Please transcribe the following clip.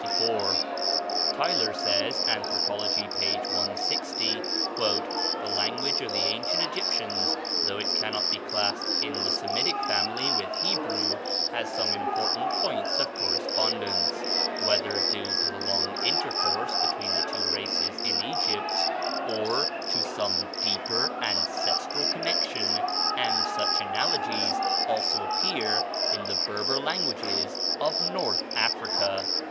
Tylor says ("Anthropology," p. 160): "The language of the ancient Egyptians, though it cannot be classed in the Semitic family with Hebrew, has important points of correspondence, whether due to the long intercourse between the two races in Egypt or to some deeper ancestral connection; and such analogies also appear in the Berber languages of North Africa."